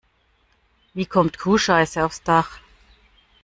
Wie kommt Kuhscheiße aufs Dach?